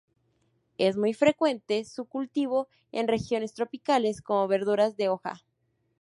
Es muy frecuente su cultivo en regiones tropicales como verdura de hoja.